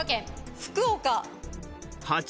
福岡。